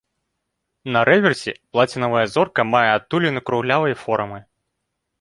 На рэверсе плацінавая зорка мае адтуліну круглявай формы.